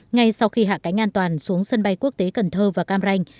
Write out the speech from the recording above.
ngay sau khi hạ cánh an toàn xuống sân bay quốc tế cần thơ và cam ranh